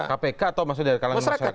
kpk atau maksudnya dari kalangan masyarakat